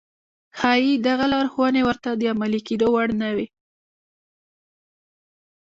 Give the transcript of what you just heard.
ښايي دغه لارښوونې ورته د عملي کېدو وړ نه وي.